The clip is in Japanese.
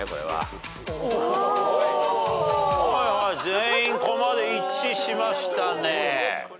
全員こまで一致しましたね。